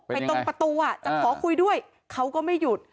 ตรงประตูจะขอคุยด้วยเขาก็ไม่หยุด